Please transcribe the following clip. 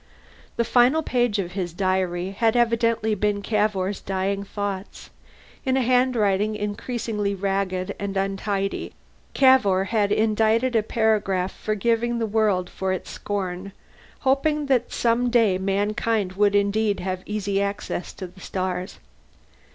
The final page of the diary had evidently been Cavour's dying thoughts. In a handwriting increasingly ragged and untidy, Cavour had indited a paragraph forgiving the world for its scorn, hoping that some day mankind would indeed have easy access to the stars.